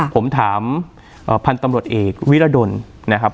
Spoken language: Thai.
ผมถามพันธุ์ตำรวจเอกวิรดลนะครับ